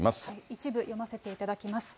一部、読ませていただきます。